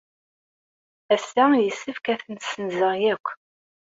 Ass-a, yessefk ad ten-ssenzeɣ akk.